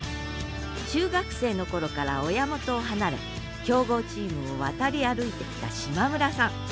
中学生の頃から親元を離れ強豪チームを渡り歩いてきた島村さん。